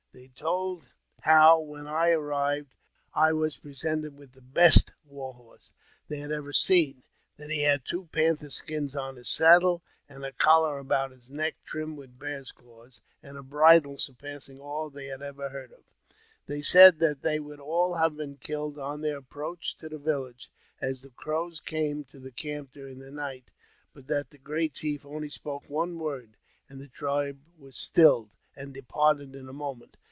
They told how, when I arrived, I was presented with the best war hors^ they had ever seen; that he had two panther skins on his saddle, and a collar about his neck trimmed with bears' claws, and a bridle surpassing all they had ever heard of. They said j that they would all have been killed on their approach to the j village, as the Crows came to the camp during the night, but i that the great chief only spoke one word, and the tribe was stilled, and departed in a moment.